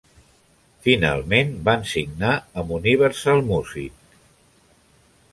Finalment, van signar amb Universal Music.